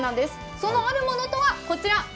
そのあるものとは、こちら。